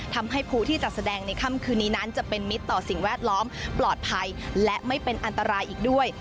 ทำให้ผู้ที่จัดแสดงในค่ำคืนนี้นั้นจะเป็นมิตรต่อสิ่งแวดล้อมปลอดภัยและไม่เป็นอันตรายอีกด้วย